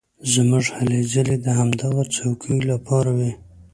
زموږ هلې ځلې د همدغو څوکیو لپاره وې.